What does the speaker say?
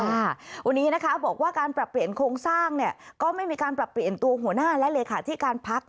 วันนี้นะคะบอกว่าการปรับเปลี่ยนโครงสร้างเนี่ยก็ไม่มีการปรับเปลี่ยนตัวหัวหน้าและเลขาที่การพัก